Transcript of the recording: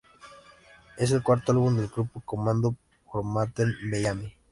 Es el cuarto álbum del grupo comandado por Matthew Bellamy.